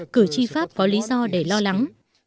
cử tri pháp có lý do để lo lắng